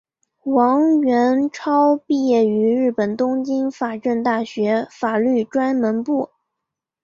王元超毕业于日本东京法政大学法律专门部。